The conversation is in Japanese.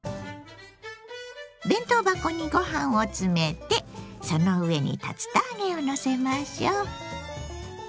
弁当箱にご飯を詰めてその上に竜田揚げをのせましょう。